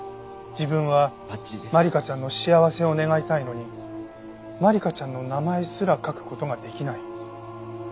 自分は万理華ちゃんの幸せを願いたいのに万理華ちゃんの名前すら書く事ができない。